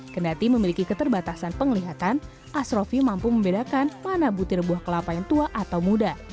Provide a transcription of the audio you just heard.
kendati memiliki keterbatasan penglihatan asrofi mampu membedakan mana butir buah kelapa yang tua atau muda